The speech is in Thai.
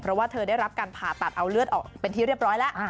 เพราะว่าเธอได้รับการผ่าตัดเอาเลือดออกเป็นที่เรียบร้อยแล้ว